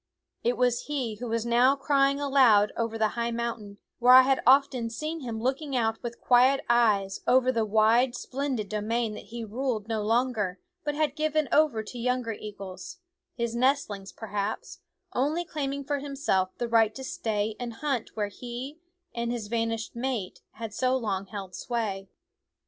It was he who was now crying aloud over the high moun tain, where I had often seen him looking out with quiet eyes over the wide splendid domain that he ruled no longer, but had given over to younger eagles his nestlings, perhaps only claiming for himself the right to stay and hunt where he and his vanished mate had so long held sway.